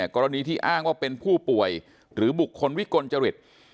กรณีที่อ้างว่าเป็นผู้ป่วยหรือบุคคลวิกลจริต